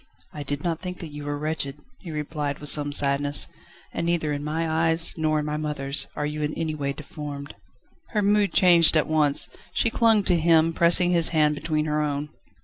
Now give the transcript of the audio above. "I did not think that you were wretched," he replied with some sadness, "and neither in my eyes, nor in my mother's, are you in any way deformed." Her mood changed at once. She clung to him, pressing his hand between her own.